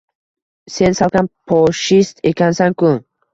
Sen salkam poshist ekansan-ku!